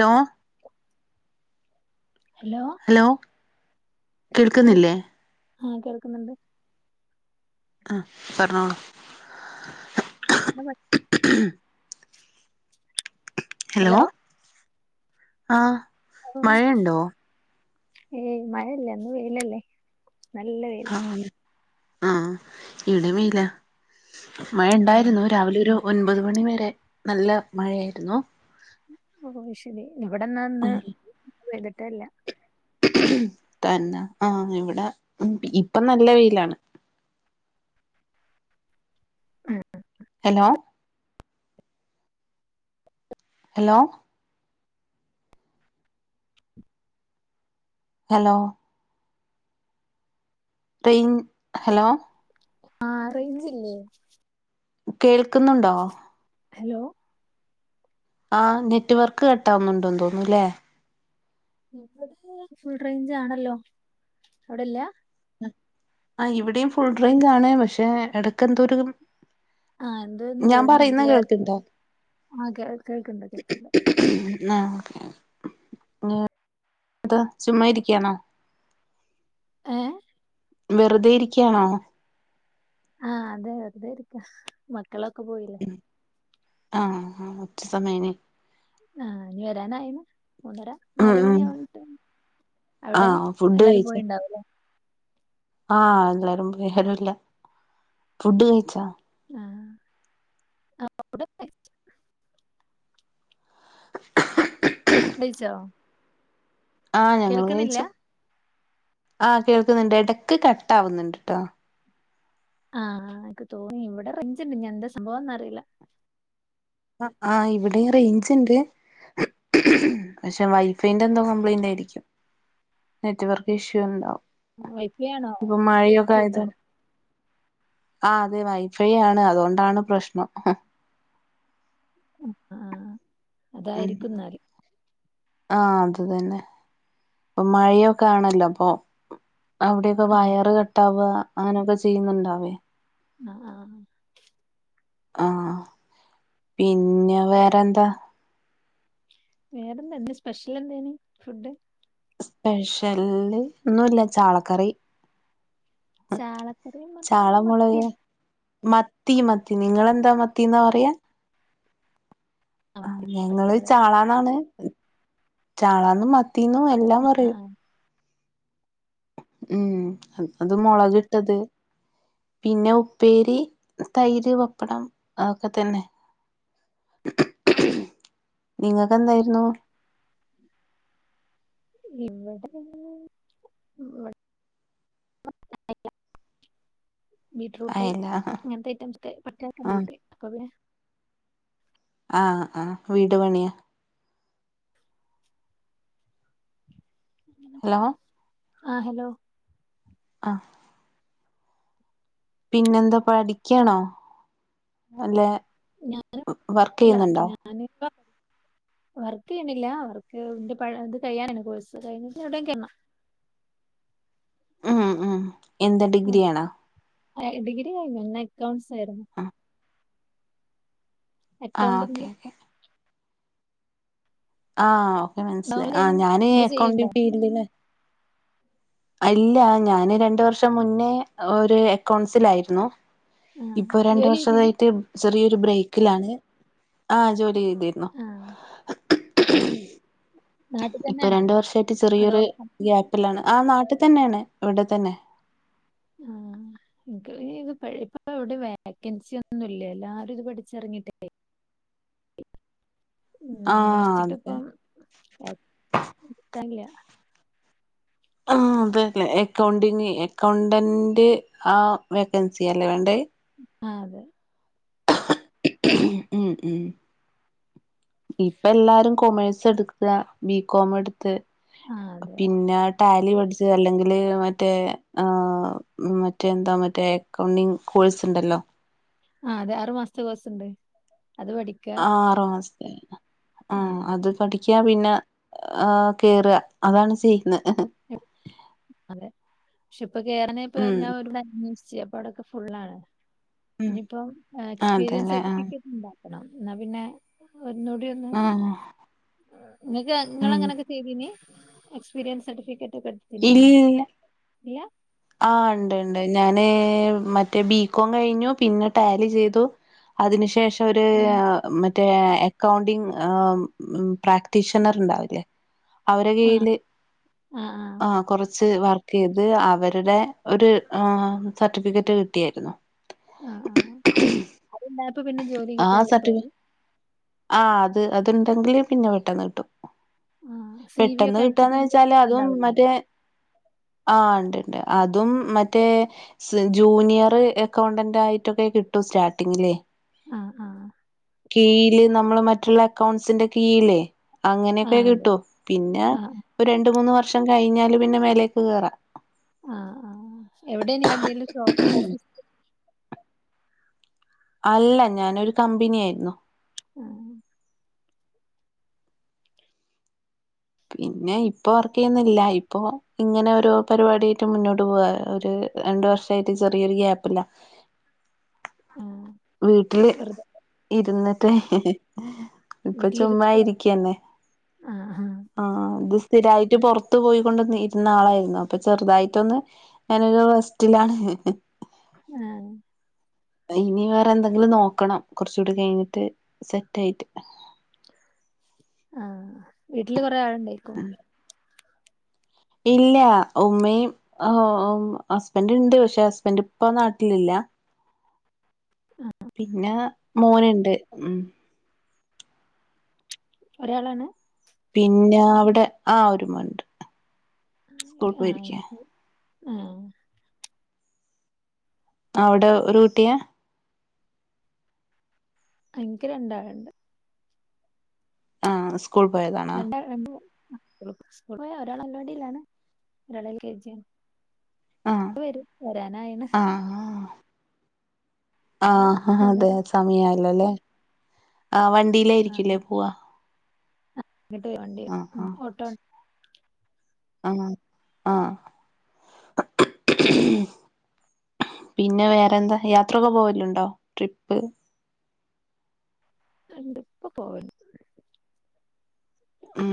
Law! Hello! [unintelligible] കേൾക്കുന്നില്ലേ ആ, കേൾക്കുന്നുണ്ട് ആ പറഞ്ഞോളൂ. [unintelligible] [inaudible] ഹലോ! ആ ഓ മഴയുണ്ടോ? ഏയ്! മഴയല്ല എന്നും വെയിലല്ലേ. നല്ല വെയിലാ. ആ ഇവിടെ വെയിലാ. മഴ ഉം. ഒണ്ടായിരുന്നു. രാവിലെ ഒരു ഒൻപത് മണിവരെ നല്ല മഴയായിരുന്നു. ഇവിടന്നന്ന് ഉം [unintelligible] [unintelligible] അല്ല. തന്നെ. ആ ഇവിടെ ഇപ്പം നല്ല വെയിലാണ്. [inaudible] ഹലോ! ഹലോ! ഹലോ! [unintelligible] ഹലോ! ആ റേഞ്ചില്ലേ? കേൾ ക്കുന്നുണ്ടോ? ഹലോ! ആ നെറ്റ് വർക്ക് കട്ടാവുന്നുണ്ടോന്ന് തോന്നുന്നൂ. ഇല്ലേ? ഇവിടെ ഫുൾ റേഞ്ച് ആണല്ലോ. അവിടില്ല ആ.. ഇവിടെയുംഫുൾ റേഞ്ചാണ്. പക്ഷേ, ഇടക്കത്തൂരും ആ.. എന്തോയൊന്ന് വരുന്നുണ്ട്. ക്ലിയ, കേൾക്ക്ണ്ടോ ആ.. കേ, കേൾക്ക കേക്കുന്നുണ്ട് ആ, ചുമ്മാ യിരിക്കയാണോ ഏ വെറുതെ യിരിക്കയാണോ ആ.. അതെയതെ വ കുട്ടികളൊക്കെ പോയില്ലേ. ആ.. ഉച്ചസമയമായി ആ.. വരാനായേന് മൂന്നര ഉം ഉം നാലുമണിയാ വുമെന്നിട്ട് ആഹ് അവിടെയെല്ലാരും പോയിട്ടുണ്ടാവല്ലേ ആ.. എല്ലാരും എന്റെവീട്ടിലാ ഫുഡ്കഴിച്ചോ ആ.. അപ്പവിടല്ലേ [inaudible] കഴിച്ചോ? ആ.. ഞങ്ങളും കേൾക്കണില്ല കഴിച്ചു. ആ.. കേൾക്കുന്നുണ്ട്. ഇടയ്ക്ക് കട്ടാവുന്നുണ്ടിട്ടോ ആ.. എനിക്ക്തോന്നി ഇവിടെ റെയ്ഞ്ചുണ്ട്. ഇനിയെന്താ സംഭവമെന്നറിയില്ല ആ.. ആ.. ഇവിടെ റേഞ്ചുണ്ട്, പക്ഷേ വൈഫൈന്റെ എന്തോ കംപ്ലൈയിന്റായിരിക്കും. നെറ്റുവർക്കിഷ്യൂ ഉണ്ടാവും. വൈഫൈയാണോ, ആ.. അതെവൈഫൈയാണ്. അതുകൊണ്ടാണ്പ്രശ്നം. അ.. ഹാ അതായിരിക്കുമെന്നാല് ആ.. അതുതന്നെ ഇപ്പൊമഴയൊക്കെ യാണല്ലോ, അപ്പൊ അവിടെയൊക്കെ ആഹ് വയറ് കട്ടാവുക. അങ്ങനെയൊക്കെ ചെയ്യുന്നുണ്ടാവോ അ.. അ.. ആ.. പിന്നെ, വേറെന്താ വേറെന്താണ്, ഇന്നുസ്പെഷ്യൽ എന്തായിരുന്നു, ഫുഡ്. സ്പെഷ്യലൊന്നുമില്ല, ചാളക്കറി. ചാളക്കറിയും, മ.. ചാള മുളക് മത്തിയം മത്തി, മത്തി നിങ്ങളെന്താ, മത്തീന്നാ, പറയുക ആ, അതെ ഞങ്ങളു അതെ ചാളാന്നാണ് ചാളാന്നും, മത്തീന്നു മെല്ലാം പറയും. ആഹ് ഉം.. അതുമുളകിട്ടത്. പിന്നെയുപ്പേരി, തൈരു പപ്പടം. അതൊക്കെ തന്നെ നിങ്ങൾക്കെന്തായിരുന്നു. ഇവിടെ [inaudible] അയല ആഹ് [inaudible] അ.. ആഹ്.. വീടുപണിയാ ഹലോ ആഹ് ഹലോ ആ പിന്നെന്താ പഠിക്കണോ അല്ലെ ഞാൻ വർക്ക് അല്ല ചെയ്യുന്നുണ്ടോ വർക്ക് ചെയ്യണില്ല വർക്ക് ഇന്റെ പഠി ഇത് കഴിയാനാണ് കോഴ്സ് കഴിഞ്ഞിട്ട് എവിടെങ്കിലും കേറണം ഉം ഉം എന്താ ഡിഗ്രിയാണാ ഡിഗ്രി കഴിഞ്ഞ് എന്നാ അക്കൗണ്ട്സ് രുന്നു ആ ഓക്കേ അക്കൗണ്ടിങ്ങില് ഓക്കേ ആഹ് എന്താ മനസ്സിലായ് ആ ഞാന് ചെയ്യണ്ട അക്കൗണ്ടിങ് ഫീൽഡില് ഇല്ല ഞാന് രണ്ട് വർഷം മുന്നേ ഒരു അക്കൗൺസിലായിരുന്നു ആ ഇപ്പൊ രണ്ട് ജോലി ചെയ്തിന് വർഷായിട്ട് ചെറിയ ബ്രേക്കിലാണ് ആ ജോലി ചെയത രുന്നു [inaudible] ആ നാട്ടിൽ ഇപ്പൊ തന്നെയാണോ രണ്ട് വർഷമായിട്ട് അതോ ചെറിയൊരു ഗ്യാപ്പിലാണ്. ആ നാട്ടിൽ തന്നെയാണ് ഇവിടെ തന്നെ ആ ഇത് ഇപ്പ ഇവിടെ വേക്കൻസി ഒന്നുംല്ല എല്ലാരും ഇത് പഠിച്ചറങ്ങിട്ടേ ഉം ആഹ് അന്വേഷിച്ചിട്ടും അതെ ഇപ്പം കിട്ടാനില്ല അതല്ലേ അക്കൗണ്ടിങ് അക്കൗണ്ടന്റ് ആ വേക്കൻസി അല്ലേ വേണ്ടത് ആ അതെ ഉം ഇപ്പ എല്ലാരും കൊമേഴ്സ് എടുക്കുക ബി കോംഎടുത്ത് ആ അതെ ടാലി പഠിച്ച അല്ലെങ്കില് മറ്റേ മറ്റേ എന്താ മറ്റേ അക്കൗണ്ടിങ് കോഴ്സ് ഉണ്ടല്ലോ ആ അതെ ആറു മാസത്തെ കോഴ്സുണ്ട് ആഹ് ആറു ആ അത് പഠിക്കാ പിന്നെ ആഹ് കേറുക അതാണ് ചെയ്യുന്നത് അതെ ഇപ്പൊ കേറനെ ഇപ്പ ഉം ഞാൻ ഓരോട് അന്വോഷി യപ്പാടൊക്കെ ഫുള്ളാണ് ഉം ഇനിയിപ്പോം എക്സ്പീരിയൻസ് അതെല്ലേ ആഹ് സർട്ടിഫിക്കറ്റ് ഉണ്ട ണം എന്നാ പിന്നെ ഒന്നൂടി ഒന്ന് ആഹ് നിങ്ങക്ക് നിങ്ങ ഉം അങ്ങനെയൊക്കെ ചെയ്തിന് എക്സ്പീരിയൻസ് സർട്ടിഫിക്കറ്റ് ഇല്ല ഇല്ലാ ആ ഉണ്ട്ണ്ട് ഞാന് മറ്റേ ബികോം കഴിഞ്ഞു പിന്നെ ടാലി ചെയ്തു അതിനു ശേഷം ഒരുര് മറ്റേ അക്കൗണ്ടിങ് പ്രാക്ടീഷണർ ഉണ്ടാവില്ലേ അവര കീയില് ആ കുറച്ച് വർക്ക് ചെയ്ത് അവര് അവരടെ ഒരു സർട്ടിഫിക്കറ്റ് കിട്ടിയായിരുന്നു ആഹ ആഹ അത്ണ്ടാപ്പ പിന്നെ ജോലി ആ കിട്ടാ എളുപ്പ സർട്ടിഫി ആഹ് അത് അതുണ്ടെങ്കിലില് പിന്നെ പെട്ടന്ന് കിട്ടും ആ. സി വി പെട്ടെന്ന് ഒക്കെ അയച്ചിട്ട് കിട്ടന്ന് വെച്ചാല് ഇന്റർവ്യൂ ഒക്കെ അതും ഉണ്ടാവില്ലേ? മറ്റേ ആ ഉണ്ട്ണ്ട് അതും മറ്റേ ജൂനിയർ അക്കൗണ്ടന്റ് ആയിട്ടൊക്കെ കിട്ടും സ്റ്റാർട്ടിങ്ങിലേ ആഹ ആഹ് കീയില് നമ്മള് മറ്റുള്ള അക്കൗണ്ട്സിന്റെ കീല്ലേ ആ അങ്ങനെയൊക്കെ അതെ. കിട്ടോ പിന്നെ ആ ഒരു രണ്ട മൂന്ന് വ ഒരുവർഷം കഴിഞ്ഞാല് പിന്നെ മേലേക്ക് കേയറാം ആഹ ആ എവിടെ എന്തും ഷോപ്പ് ഓഫീസ് അല്ല ഞാനൊരു കമ്പനിയയിരുന്നു ആഹ പിന്നെ ഇപ്പൊ വർക്ക് ചെയ്യുന്നില്ല ഇപ്പൊ ഇങ്ങനെ ഓരോ പരിപാടിായിട്ട് മുന്നോട്ട് പോവാ ഒരു രണ്ടു വർഷമായിട്ട് ചെറിയൊരു ഗ്യാപ്പില്ല ആ. വീട്ടില് വെറുതെ ഇരുന്ന് [unintelligible] ഇപ്പൊ വീട്ടിലിരിക്ക ചുമ്മായിരിക്കന്നെ ആ ആ ആഹ സ്ഥിരമായിട്ട് പുറത്തു പോയികൊണ്ട് ഇരുന്ന ആളായിരുന്നു അപ്പൊ ചെറുതായിട്ടൊന്ന് ഞാനൊരു റെസ്റ്റിലാണ് ആഹ ഇനി വേറെ എന്തെങ്കിലും നോക്കണം കുറച്ച കൂടി കഴിഞ്ഞിട്ട് സെറ്റ് ആയിട്ട് ആഹ വീട്ടില് കൊറെേ ആൾ ഉണ്ടായിക്കും ഇല്ല ഉമ്മയും ഹസ്ബൻറ് ഉണ്ട് പക്ഷെ ഹസ്ബൻഡ് ഇപ്പൊ നാട്ടിലില്ല പിന്നെ മോനുണ്ട് ഉം ഒരാളാണ് പിന്നെ അവിടെ ആ ഒരുമണ്ട് സ്കൂൾ പോയിരിക്കേ ആഹ അവിടെ ഒരു കുട്ടിയാ എനിക്ക് രണ്ടാളാണ്ട് ആഹ സ്കൂൾ പോയതാണോ സ് പോ ഒരാൾ അംഗവാടിയിലാണ് ഒരാള എൽ കെ ജിയും ആ വര വരാനായിണ് ആഹ അതെ മൂന്നര സമയാല്ലൊല്ലേ ആ ആ വണ്ടിയിലായിരിക്കല്ലേ പോവ ഇങ്ങട്ട് വണ്ടി ആഹ ഉം ആ ഓട്ടോ ആഹ ആ പിന്നെ വേറെന്താ യാത്രൊക്കെ പോവലുണ്ടോ ട്രിപ്പ് ആ ഇണ്ട് പ്പ പോവ ഉം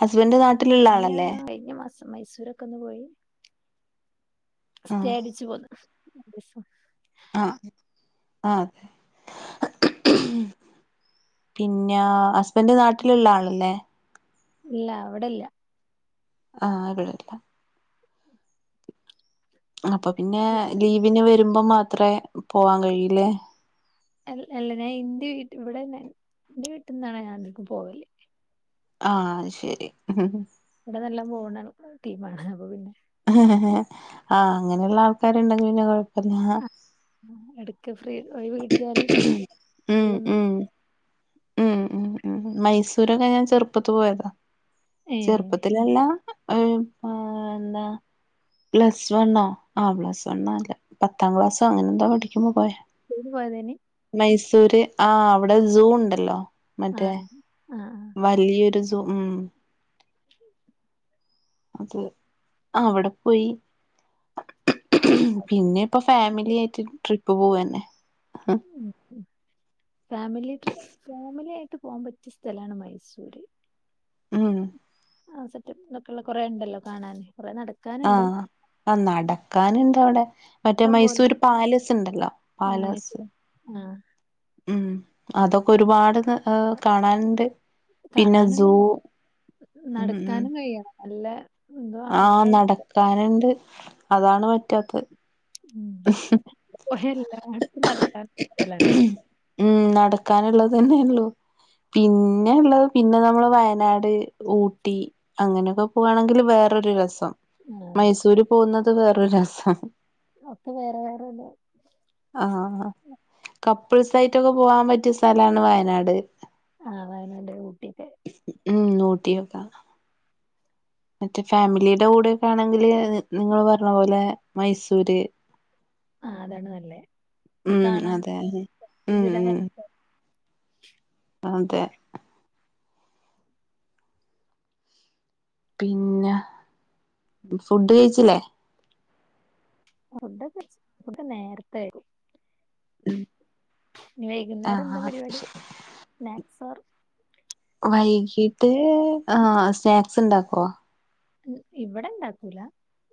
ഹസ്ബൻഡ് നാട്ടിലുള്ള ഞാ ആളല്ലേ കഴിഞ്ഞ മൈസൂരൊക്കെ ഒന്ന് പോയി സ്റ്റേ ആഹ് അടിച്ചു പോന്ന് ദശോ ആഹ ആ അതെ പിന്നെ ഹസ്ബൻഡറ് നാട്ടിലുള്ള ആളല്ലേ ഇല്ല ഇവിടെല്ല ആഹ അകളല്ല അപ്പൊ പിന്നെ ലീവിന് വ വരുമ്പം മാത്രേ പോവാൻ കഴിയില്ലേ അല്ല അല്ല ഞാൻ ഇന്റെ വീട്ട ഇവിടെൻ എന്റെ വീട്ടിൽ നിന്നാണ് ഞാൻ അധികം പോവല് ആഹ ശരി ഇവിടെ നല്ലൊ പോണ ടീമാണ് അപ്പൊ പിന്നെ ആഹ് അങ്ങനെയുള്ള ആൾക്കാരുണ്ടെങ്കിൽ പിന്നെ കൊഴ [unintelligible] എടക്ക് ഫ്രീ ഒഴിവ് കിട്ടിയാല് ഉം വള്ളൊ ഉം ഉം ഉ ഉ മൈസൂരൊക്കെ ഞാൻ ചെറുപ്പത്ത് പോയതാ ഏഹ് ചെറുപ്പത്തിലല്ല ഒരു എന്താ പ്ലസ് വണ്ണോ ആ പ്ലസ് വണ്ണാല്ല പത്താം ക്ലാസ്സോ അങ്ങനെ എന്തോ പഠിക്കുമ്പോൾ പോയ ടൂർ പോയതയ്നി മൈസൂര് ആഹ് അവിടെ സൂ ഉണ്ട്. ല്ലോ? ആഹ ആഹ ആ വലിയൊരു സോ അത് അവിടെ പോയി. ആഹ് പിന്നെപ്പ ഫാമിലി ആയിട്ട് ട്രിപ്പ് പോവന്നെ. ഹഹ ഉം ഉം ഫാമിലി ട്രി ഫാമിലി ട്ട് പോവാൻ പറ്റിയ സ്ഥലാണ് മൈസൂര്. ഉം ആ സറ്റപ്പ്ഇതൊക്കെയുള്ള കൊറെ ഇണ്ടല്ലോ കാണാന്. കൊറേ ആ നടക്കാന്ണ്ട് ആ നടക്കാനണ്ട് അവിടെ. മറ്റേ ഇഷ്ടം പോലെ മൈസൂര് പാലസ് ഉണ്ടല്ലോ ആഹ് പാലസ്. മൈസൂ ആഹ് ഉം. അതൊക്കെ ഒരുപാട് ത് കാണാന്ണ്ട് കാണാനാണ്ട് ഉം ഉം നടക്കാനും, കഴിയണം നല്ല എന്താ ആഹ് പറയാ നടക്കാന്ണ്ട്. അതാണ് പറ്റാത്തത്. ഉ എല്ലാടുത്തും നടക്കാൻല സ്ഥലാണ്. ഉം നടക്കാനുള്ളത് തന്നെള്ളു. പിന്നെ ഇള്ളത് പിന്നെ നമ്മൾ വയനാട്, ഊട്ടി അങ്ങനെയൊക്കെ പോവാണെങ്കിൽ വേറൊരു രസം. അതെ മൈസൂര് പോകുന്ന ത് വേറൊരു രസാ. ഒക്കെ വേറെ വേറെ ലേ പിൾസായിട്ടൊക്കെ പോവാൻ പറ്റിയ സ്ഥലാണ് വയനാട്. ആ വയനാട്, ഊട്ടിയൊക്കെ. ഉം ഊട്ടിയൊക്കെ. മറ്റേ ഫാമിലിയുടെ കൂടെ ഒക്കെ ആണെങ്കില് നിങ്ങള് പറഞ്ഞ പോലെ മൈസൂര് ആഹ് അതാണ് നല്ലേ. എന്നാ ഉം കാണാൻ അതെ ഉം ഉം അതെ പിന്നെ ഫുഡ് കഴിച്ചില്ലേ [unintelligible] നേരത്തെ കഴിക്കും ഉം ഇനി വൈകുന്നേരം എന്താ ആഹ് പരിപാടി ശരി സ്നാക്സോ വൈകീട്ട് ആ സ്നാക്സ് ഇണ്ടാക്കോ ഇവ്ടെ ഇണ്ടാക്കൂല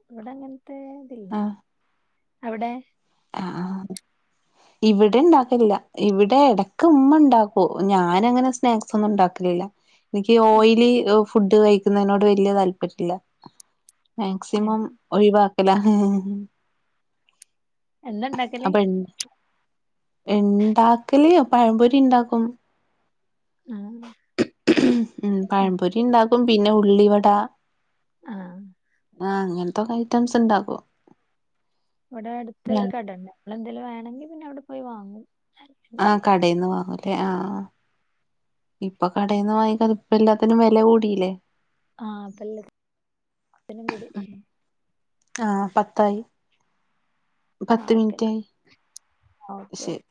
ഇവിടെങ്ങ ടെതില്ല അവിടെ ആ ഇവിടെ ഇണ്ടാക്കില്ല ഇവിടെ ഇവിടെണ്ടക്കില്ല ആ ഇവിടെ ഇടക്ക്മ്മ ഇണ്ടാക്കും ഞാന് അങ്ങനെ സ്നാക്സ് ഒന്നും ഉണ്ടാക്കലില്ല എനിക്ക് ഉം, ഓയിലി ഫുഡ് കഴിക്കുന്നതിനോട് വല്യയ താല്പര്യമില്ല ഉം. മാക്സിമം ഒഴവാ തണേ [inaudible] എന്താ ഉണ്ടാക്കല് ഉണ്ടാക്കല് പഴപൊരി ഉണ്ടാക്കും ആ ഉം ആ പഴംപൊരി ഉണ്ടകും പിന്നെ ഉള്ളിവട ആഹ ആഹ അങ്ങനത്തെൊക്കെ ഐറ്റംസ് ഉണ്ടാക്കോ ഇവിടെ അടുത്ത ഒരു കട ഉന്ന നമ്മള എന്തേലും വേണെങ്ക പിന്നെ അവിടെ പോയി വാങ്ങും ആഹ അല്ലെങ്കിൽ കടയിൽന്ന് വാങ്ങും അല്ലേ ആഹ ആ ഇപ്പൊ കടയിൽന്ന് വാങ്ങിക്കതിപ്പ എല്ലാത്തിനും വില കൂടില്ലേ ആഹല്ലും കൂടി ആഹ പത്തായി ആ പത്ത് ഓക്കെ മിനിറ്റ് എന്നാ ആായി ഓക്കെ ശ ഓക്കെ